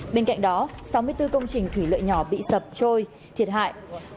bên cạnh đó sáu mươi bốn công trình thủy lợi nhỏ bị sập trôi thiệt hại